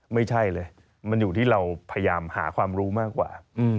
ไม่ใช่เลยมันอยู่ที่เราพยายามหาความรู้มากกว่า